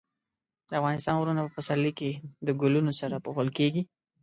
د افغانستان غرونه په پسرلي کې د ګلونو سره پوښل کېږي.